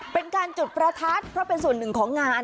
เป็นการจุดประทัดเพราะเป็นส่วนหนึ่งของงาน